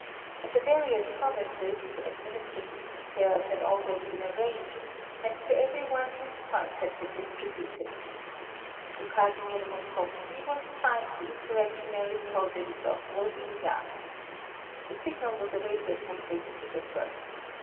In the various provinces, administrative details had already been arranged, and to every one his part had been distributed. To Casimir Moskowski was assigned the insurrectionary province of Volhynia. The signal was awaited from St. Petersburg.